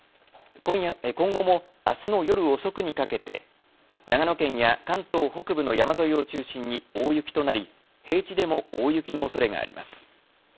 今後も、あすの夜遅くにかけて長野県や関東北部の山沿いを中心に大雪となり平地でも大雪のおそれがあります。